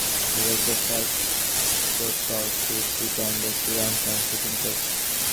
He was the first Proctor to sit on the Sri Lankan Supreme Court.